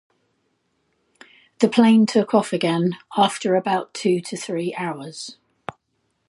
The plane took off again after about two to three hours.